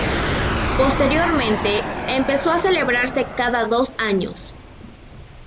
Posteriormente, empezó a celebrarse cada dos años.